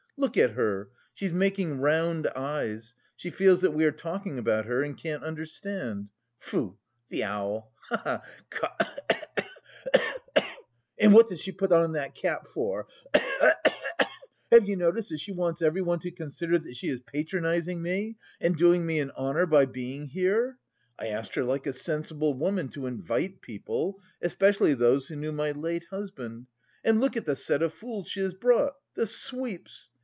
"Look at her, she's making round eyes, she feels that we are talking about her and can't understand. Pfoo, the owl! Ha ha! (Cough cough cough.) And what does she put on that cap for? (Cough cough cough.) Have you noticed that she wants everyone to consider that she is patronising me and doing me an honour by being here? I asked her like a sensible woman to invite people, especially those who knew my late husband, and look at the set of fools she has brought! The sweeps!